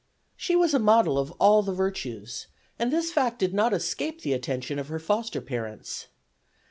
She was a model of all the virtues, and this fact did not escape the attention of her foster parents.